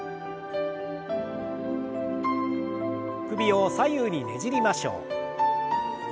首を左右にねじりましょう。